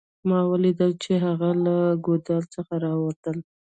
ما ولیدله چې هغه له ګودال څخه راووتله